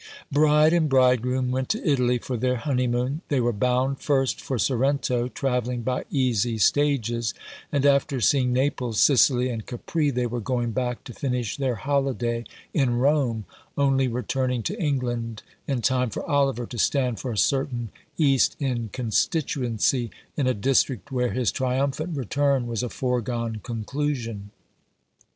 Bride and bridegroom went to Italy for their honeymoon. They were bound first for Sorrento, travelling by easy stages, and, after seeing Naples, Sicily, and Capri, they were going back to finish their holiday in Rome, only returning to England in time for Oliver to stand for a certain East End constituency in a district where his triumphant return was a foregone conclusion.